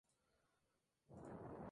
Pensaba que era demasiado inflamatoria.